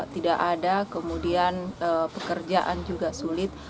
tidak ada kemudian pekerjaan juga sulit